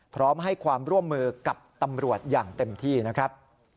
พร้อมให้ความร่วมมือกับตำรวจอย่างเต็มที่นะครับ